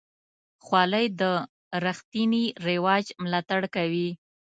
خولۍ د پښتني رواج ملاتړ کوي.